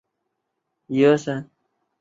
这是航天飞机第一次完全操作飞行。